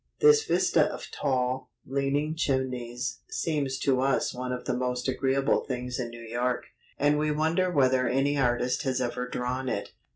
This vista of tall, leaning chimneys seems to us one of the most agreeable things in New York, and we wonder whether any artist has ever drawn it.